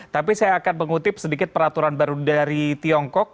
tapi saya akan mengutip sedikit peraturan baru dari tiongkok